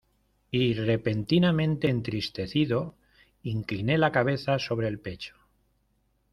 y repentinamente entristecido, incliné la cabeza sobre el pecho.